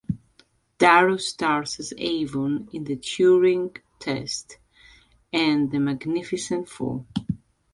Darrow stars as Avon in "The Turing Test" and "The Magnificent Four".